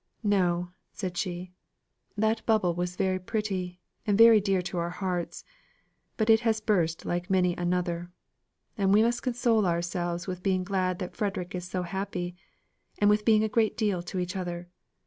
No," said she, "that bubble was very pretty, and very dear to our hearts; but it has burst like many another; and we must console ourselves with being glad that Frederick is so happy, and with being a great deal to each other.